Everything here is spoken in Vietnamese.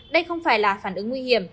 đây không phải là phản ứng nguy hiểm